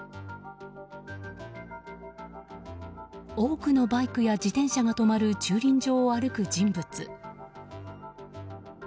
多くのバイクや自転車が止まる駐輪場を歩く人物。